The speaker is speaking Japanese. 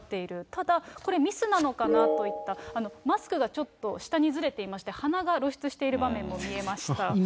ただ、これ、ミスなのかなといった、マスクがちょっと下にずれていまして、鼻が露出している場面も見えました。